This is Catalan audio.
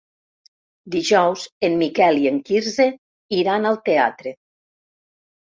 Dijous en Miquel i en Quirze iran al teatre.